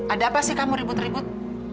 ada apa sih kamu ribut ribut